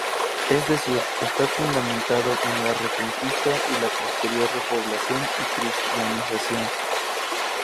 Es decir, está fundamentado en la reconquista y la posterior repoblación y cristianización.